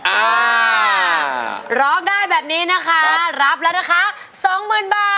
อ่าร้องได้แบบนี้นะคะรับแล้วนะคะสองหมื่นบาท